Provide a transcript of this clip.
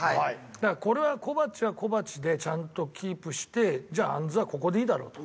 だからこれは小鉢は小鉢でちゃんとキープしてじゃああんずはここでいいだろうと。